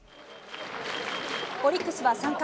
オリックスは３回。